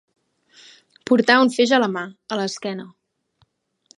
Portar un feix a la mà, a l'esquena.